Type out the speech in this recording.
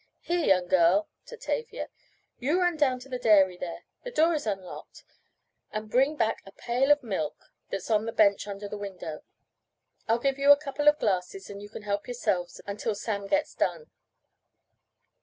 Here, young girl (to Tavia), you run down to the dairy there, the door is unlocked, and bring up a pail of milk that's on the bench under the window. I'll give you a couple of glasses and you can help yourselves until Sam gets done."